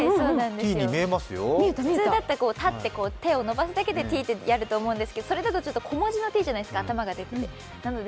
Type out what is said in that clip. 普通だったら立って手を伸ばすだけでやると思うんですけど、それだと小文字のｔじゃないですか頭が出るので。